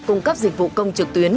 cung cấp dịch vụ công trực tuyến